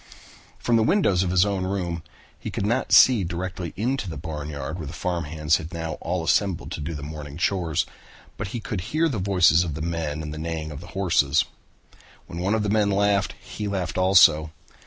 From the windows of his own room he could not see directly into the barnyard where the farm hands had now all assembled to do the morning shores, but he could hear the voices of the men and the neighing of the horses. When one of the men laughed, he laughed also.